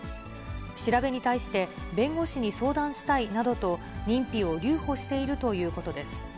調べに対して、弁護士に相談したいなどと認否を留保しているということです。